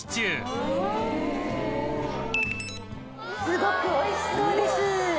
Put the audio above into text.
すごくおいしそうです！